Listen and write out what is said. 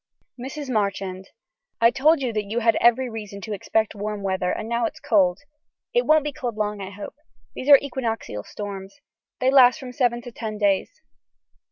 (Mrs. Marchand.) I told you that you had every reason to expect warm weather and now it's cold. It won't be cold long I hope. These are equinoxial storms. They last from seven to ten days.